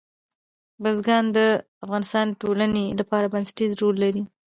بزګان د افغانستان د ټولنې لپاره بنسټيز رول لري.